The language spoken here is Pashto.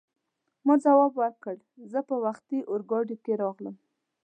ما ځواب ورکړ: زه په وختي اورګاډي کې راغلم.